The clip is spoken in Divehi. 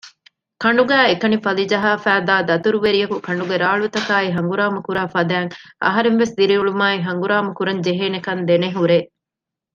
ކަނޑުގައި އެކަނި ފަލިޖަހާފައިދާ ދަތުރުވެރިޔަކު ކަނޑުގެ ރާޅުތަކާއި ހަނގުރާމަ ކުރާފަދައިން އަހަރެންވެސް ދިރިއުޅުމާއި ހަނގުރާމަ ކުރަން ޖެހޭނެކަން ދެނެހުރޭ